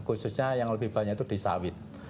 khususnya yang lebih banyak itu di sawit